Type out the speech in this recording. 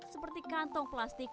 seperti kantong plastik